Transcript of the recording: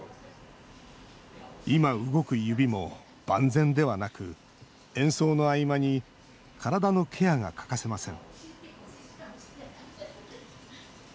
今、動く指も万全ではなく演奏の合間に体のケアが欠かせません